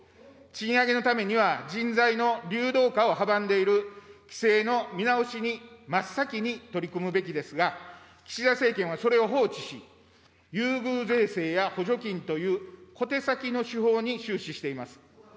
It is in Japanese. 賃上げのためには、人材の流動化を阻んでいる規制の見直しに真っ先に取り組むべきですが、岸田政権はそれを放置し、優遇税制や補助金という小手先の手法に終始しています。